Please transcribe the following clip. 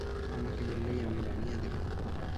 আমাকে বললেই আমি বানিয়ে দিবো।